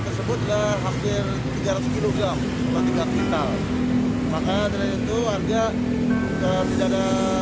jenazahnya adalah laki laki setidaknya di berhubungan tahun